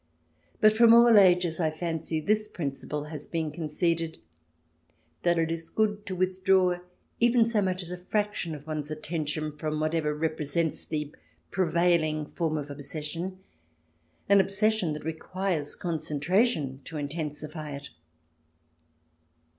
But from all ages, I fancy, this prin ciple has been conceded : that it is good to withdraw even so much as a fraction of one's attention from whatever represents the prevailing form of obsession ; an obsession that requires concentration to intensify it.